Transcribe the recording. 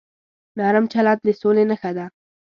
نرم چلند د سولې نښه ده.